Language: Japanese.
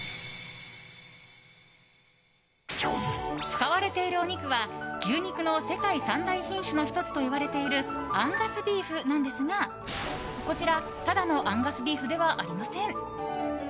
使われているお肉は牛肉の世界三大品種の１つといわれているアンガスビーフなんですがこちら、ただのアンガスビーフではありません。